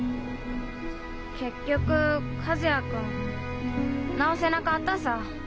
結局和也君治せなかったさぁ。